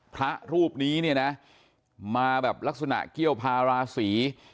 พระรูปนี้มาแบบลักษมณะเกี้ยวให้เห็นเบอร์จะเจ้ากับผู้เสียหาย